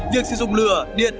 việc sử dụng lửa điện